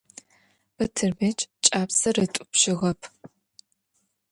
Батырбэч кӀапсэр ытӀупщыгъэп.